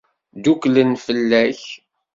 Dduklen fell-ak.